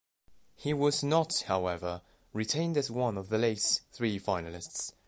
He was not, however, retained as one of the league's three finalists.